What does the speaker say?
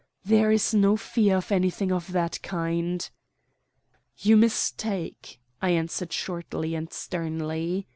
"There is no fear of anything of that kind." "You mistake," I answered shortly and sternly.